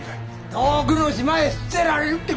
遠くの島へ捨てられるって事さ。